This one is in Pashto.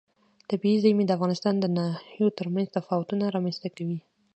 طبیعي زیرمې د افغانستان د ناحیو ترمنځ تفاوتونه رامنځ ته کوي.